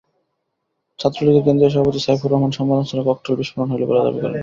ছাত্রলীগের কেন্দ্রীয় সভাপতি সাইফুর রহমান সম্মেলনস্থলে ককটেল বিস্ফোরণ হয়নি বলে দাবি করেন।